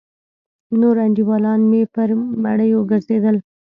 نور انډيوالان مې پر مړيو گرځېدل.